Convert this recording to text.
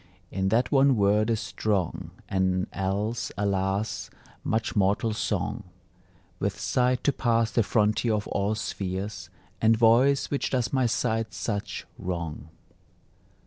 In that one word is strong An else, alas, much mortal song; With sight to pass the frontier of all spheres, And voice which does my sight such wrong.